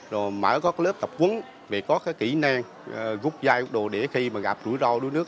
rồi mở các lớp tập quấn về có kỹ năng gúc dai gúc đồ để khi mà gặp rủi ro đuối nước